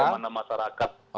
yang diri oleh masyarakat